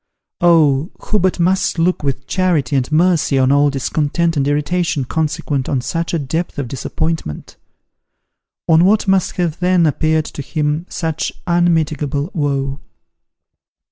Oh! who but must look with charity and mercy on all discontent and irritation consequent on such a depth of disappointment: on what must have then appeared to him such unmitigable woe.